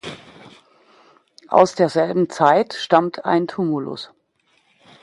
Aus derselben Zeit stammt ein Tumulus.